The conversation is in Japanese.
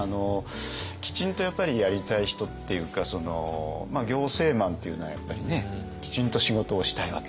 きちんとやっぱりやりたい人っていうか行政マンというのはやっぱりねきちんと仕事をしたいわけですよ。